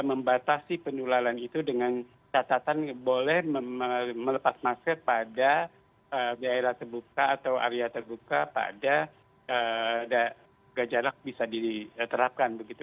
membatasi pendularan itu dengan catatan boleh melepas masker pada daerah terbuka atau area terbuka pada jarak bisa diterapkan begitu